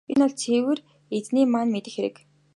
Энэ бол цэвэр Эзэний маань мэдэх хэрэг.